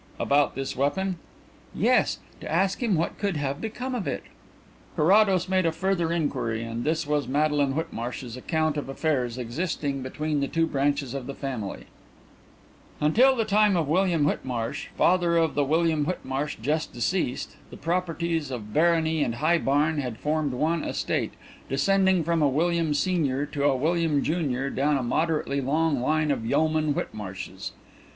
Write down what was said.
"About this weapon?" "Yes; to ask him what could have become of it." Carrados made a further inquiry, and this was Madeline Whitmarsh's account of affairs existing between the two branches of the family: Until the time of William Whitmarsh, father of the William Whitmarsh just deceased, the properties of Barony and High Barn had formed one estate, descending from a William senior to a William junior down a moderately long line of yeomen Whitmarshes.